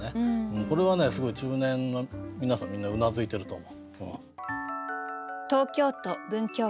これはねすごい中年の皆さんみんなうなずいてると思う。